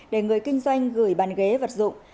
để người kinh doanh gửi bàn ghế vật dụng